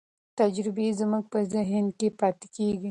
تجربې زموږ په ذهن کې پاتې کېږي.